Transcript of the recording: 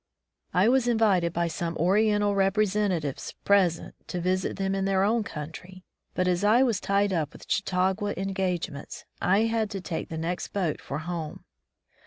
I was invited by some oriental representatives present to visit them in their own country, but as I was tied up with Chautauqua engagements, I had to take the next boat for home.